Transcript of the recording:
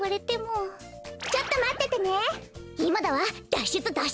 だっしゅつだっ